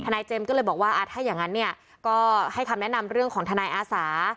นายเจมส์ก็เลยบอกว่าถ้าอย่างนั้นเนี่ยก็ให้คำแนะนำเรื่องของทนายอาสา